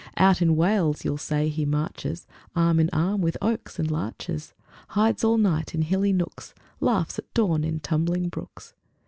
Out in Wales, you'll say, he marches Arm in arm with oaks and larches; Hides all night in hilly nooks, Laughs at dawn in tumbling brooks.